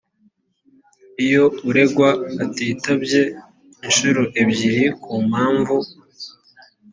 iyo uregwa atitabye inshuro ebyiri ku mpamvu